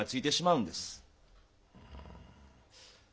うん？